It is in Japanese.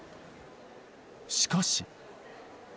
しかし。